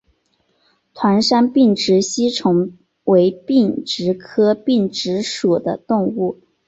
团山并殖吸虫为并殖科并殖属的动物。